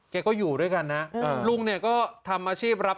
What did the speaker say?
แกก็อยู่ด้วยกันนะลุงเนี่ยก็ทำอาชีพรับ